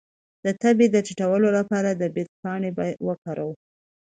د تبې د ټیټولو لپاره د بید پاڼې وکاروئ